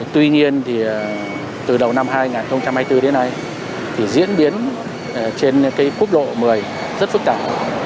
tuy nhiên thì từ đầu năm hai nghìn hai mươi bốn đến nay thì diễn biến trên cái quốc lộ một mươi rất phức tạp